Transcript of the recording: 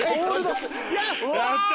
やった。